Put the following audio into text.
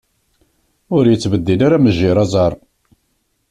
Ur yettbeddil ara mejjir aẓar.